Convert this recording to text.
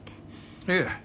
いえ。